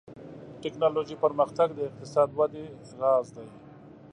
ټکنالوژي پرمختګ د اقتصادي ودې راز دی.